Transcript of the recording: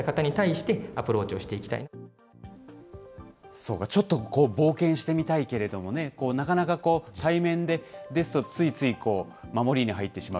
そうか、ちょっと冒険してみたいけれどもね、こう、なかなかこう、対面ですとついついこう、守りに入ってしまう。